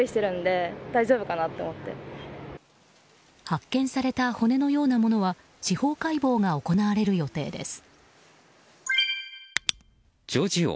発見された骨のようなものは司法解剖が行われる予定です。